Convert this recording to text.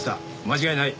間違いない。